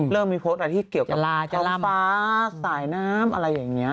เริ่มมีโพสต์อะไรที่เกี่ยวกับการฟ้าสายน้ำอะไรอย่างนี้